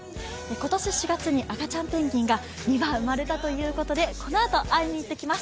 今年４月に赤ちゃんペンギンが２羽生まれたということでこのあと、会いに行ってきます。